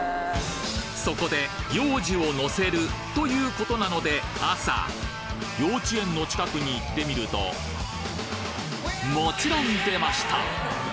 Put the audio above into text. そこで幼児を乗せるという事なので朝幼稚園の近くに行ってみるともちろん出ました！